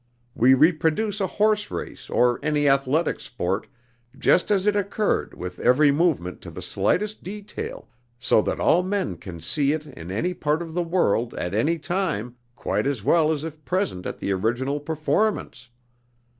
We reproduce a horse race or any athletic sport just as it occurred with every movement to the slightest detail, so that all men can see it in any part of the world at any time quite as well as if present at the original performance.